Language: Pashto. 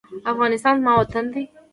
افغانستان زما وطن دی.